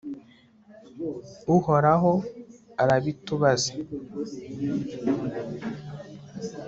uhoraho arabitubaze